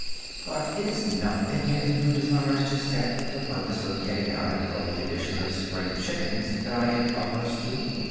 But it is not the hen who desires to set for the purpose of getting out an early edition of spring chickens that I am averse to.